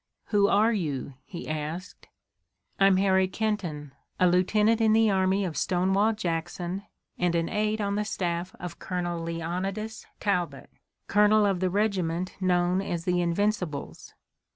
"Who are you?" he asked. "I'm Harry Kenton, a lieutenant in the army of Stonewall Jackson, and an aide on the staff of Colonel Leonidas Talbot, colonel of the regiment known as the Invincibles."